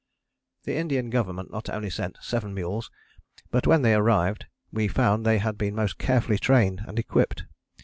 The Indian Government not only sent seven mules but when they arrived we found that they had been most carefully trained and equipped.